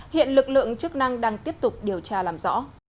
hiện lực lượng chức năng đang tiếp tục điều tra làm rõ